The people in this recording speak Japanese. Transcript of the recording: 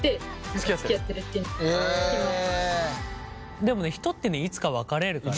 でもね人ってねいつか別れるから。